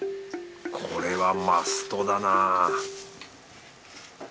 これはマストだな